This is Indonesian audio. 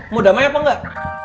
mau damai apa enggak